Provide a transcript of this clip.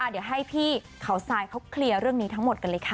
เดี๋ยวให้พี่เขาทรายเขาเคลียร์เรื่องนี้ทั้งหมดกันเลยค่ะ